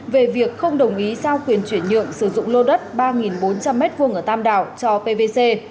về việc không đồng ý giao quyền chuyển nhượng sử dụng lô đất ba bốn trăm linh m hai ở tam đảo cho pvc